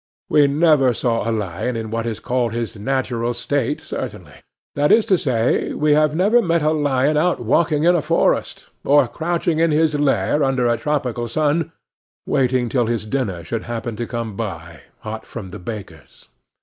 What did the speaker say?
We never saw a lion in what is called his natural state, certainly; that is to say, we have never met a lion out walking in a forest, or crouching in his lair under a tropical sun, waiting till his dinner should happen to come by, hot from the baker's.